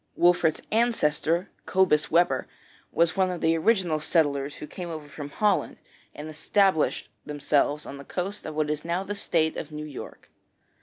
Wolfert's ancestor, Cobus Webber, was one of the original settlers who came over from Holland and established themselves on the coast of what is now the State of New York.